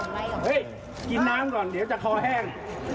เฮ้ยกินน้ำก่อนเดี๋ยวจะคอแห้ง